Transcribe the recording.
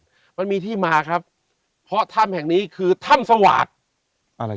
มันมีที่มาครับเพราะถ้ำแห่งนี้คือถ้ำสวาสตร์อะไร